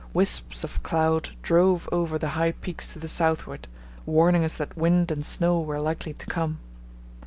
Wisps of cloud drove over the high peaks to the southward, warning us that wind and snow were likely to come.